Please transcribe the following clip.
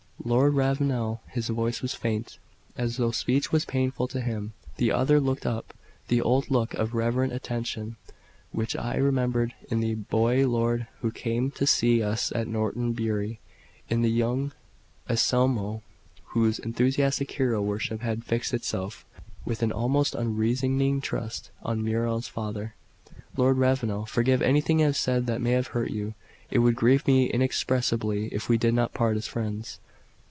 "Lord Ravenel." His voice was faint, as though speech was painful to him. The other looked up, the old look of reverent attention, which I remembered in the boy lord who came to see us at Norton Bury; in the young "Anselmo," whose enthusiastic hero worship had fixed itself, with an almost unreasoning trust, on Muriel's father. "Lord Ravenel, forgive anything I have said that may have hurt you. It would grieve me inexpressibly if we did not part as friends."